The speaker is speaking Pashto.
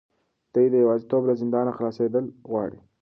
دی د یوازیتوب له زندانه خلاصېدل غواړي.